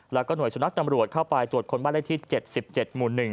แล้วก็หน่วยสุนัขตำรวจเข้าไปตรวจคนบ้านเลขที่๗๗หมู่๑